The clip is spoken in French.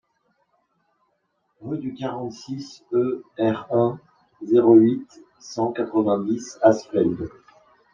Rue du quarante-six e R.un., zéro huit, cent quatre-vingt-dix Asfeld